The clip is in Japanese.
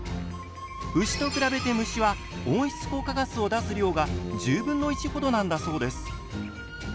牛と比べて虫は温室効果ガスを出す量が１０分の１ほどなんだそうです。